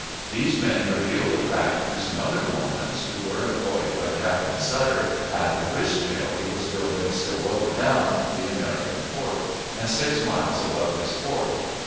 These men revealed the fact to some other Mormons who were employed by Captain Sutter at a grist mill he was building still lower down the American Fork, and six miles above his fort.